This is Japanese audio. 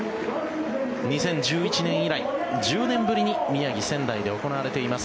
２０１１年以来１０年ぶりに宮城・仙台で行われています